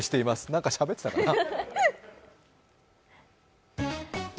なんかしゃべってたかな？